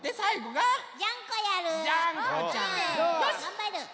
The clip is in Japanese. がんばる！